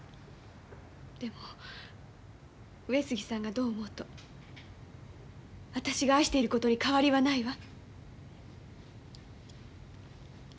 でも上杉さんがどう思おうと私が愛していることに変わりはないわ。